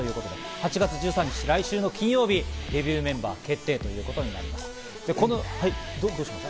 ８月１３日、来週金曜日、デビューメンバー決定となります。